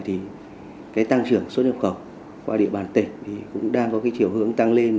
thì cái tăng trưởng xuất nhập khẩu qua địa bàn tỉnh thì cũng đang có cái chiều hướng tăng lên